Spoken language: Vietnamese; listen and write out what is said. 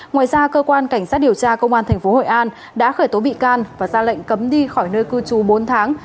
ngoài ra cơ quan cảnh sát điều tra công an tp hội an đã khởi tố bị can và ra lệnh cấm đi khỏi nơi cư trú bốn tháng